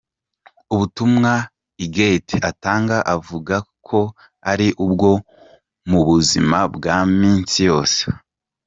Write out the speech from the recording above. Ubutumwa Huguette atanga avuga ko ari ubwo mu buzima bwa misi yose.